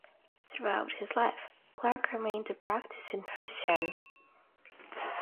Throughout his life, Clark remained a practicing Christian.